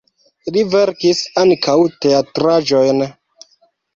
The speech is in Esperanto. Li verkis ankaŭ teatraĵojn.